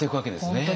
本当に。